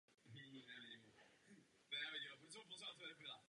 V asijském stolování a kuchyni jsou naopak běžné hůlky.